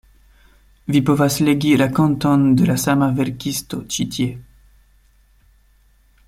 Vi povas legi rakonton de la sama verkisto ĉi tie.